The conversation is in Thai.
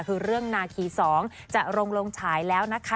คือเรื่องนาคี๒จะลงฉายแล้วนะคะ